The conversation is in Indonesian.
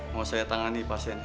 mau saya tangani pasiennya